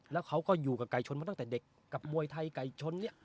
แล้วเขาก็อยู่กับไก่ชนมาตั้งแต่เด็กกับมวยไทยไก่ชนเนี่ย